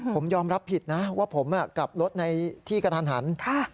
ผมยอมรับผิดนะว่าผมกลับรถในที่กระทันหัน